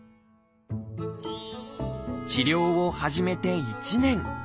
治療を始めて１年。